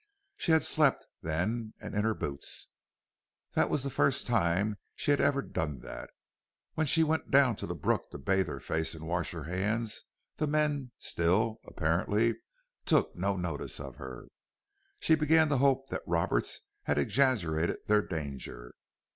She had slept, then, and in her boots! That was the first time she had ever done that. When she went down to the brook to bathe her face and wash her hands, the men still, apparently, took no notice of her. She began to hope that Roberts had exaggerated their danger.